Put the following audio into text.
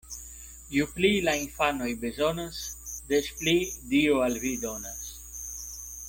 Ju pli la infanoj bezonas, des pli Dio al vi donas.